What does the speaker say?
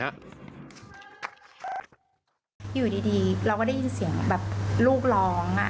อยู่ดีเราก็ได้ยินเสียงแบบลูกร้อง